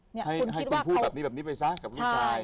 ให้คุณพูดแบบนี้ไปซะกับผู้ชาย